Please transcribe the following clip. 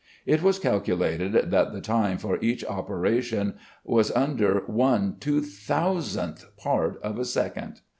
It was calculated that the time for each operation was under 1/2000th Part of a second.